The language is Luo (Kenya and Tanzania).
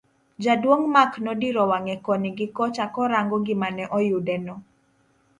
Jaduong' Mark nodiro wang'e koni gi kocha korango gima ne oyude no.